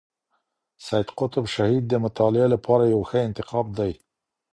سید قطب شهید د مطالعې لپاره یو ښه انتخاب دی.